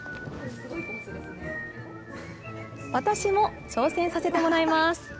私も挑戦させてもらいます。